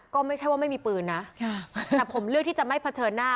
ก็ไม่ใช่ว่าไม่มีปืนนะแต่ผมเลือกที่จะไม่เผชิญหน้า